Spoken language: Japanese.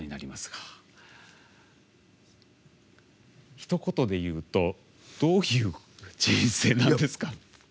ひと言で言うとどういう人生なんですか？